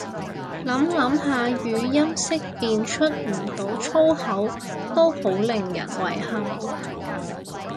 諗諗下語音辨識出唔到粗口都好令人遺憾